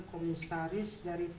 komisaris dari pt atk